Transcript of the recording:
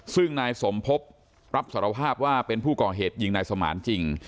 ซึ่งนายสมภพรับสารภาพว่าเป็นผู้ก่อเหตุยิงนายสมานจริง